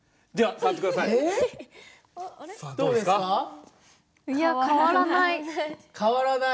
全く変わらない。